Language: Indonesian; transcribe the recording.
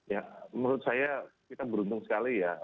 ya menurut saya kita beruntung sekali ya